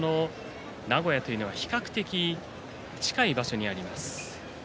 名古屋というのは比較的近い場所にあります。